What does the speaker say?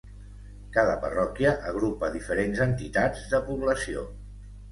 Cada parròquia agrupa diferents entitats de població.